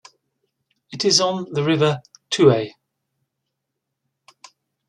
It is on the River Thouet.